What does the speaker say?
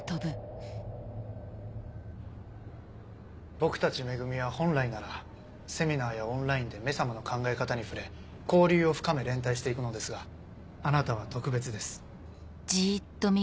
僕たち「め組」は本来ならセミナーやオンラインで「め様」の考え方に触れ交流を深め連帯していくのですがあなたは特別です。